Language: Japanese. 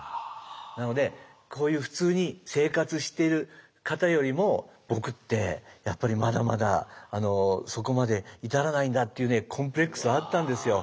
なのでこういう普通に生活してる方よりも僕ってやっぱりまだまだそこまで至らないんだっていうねコンプレックスはあったんですよ。